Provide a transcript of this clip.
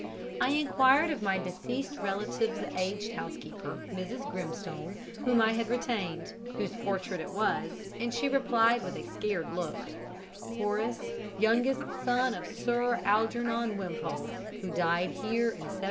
I enquired of my deceased relative's aged housekeeper, Mrs. Grimstone whom I had retained whose portrait it was, and she replied with a scared look, 'Horace, youngest son of Sir Algernon Wimpole, who died here in 1745.'